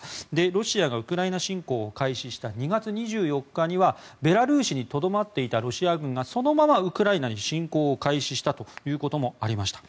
ロシアがウクライナ侵攻を開始した２月２４日はベラルーシにとどまっていたロシア軍がそのままウクライナに侵攻を開始したということもありました。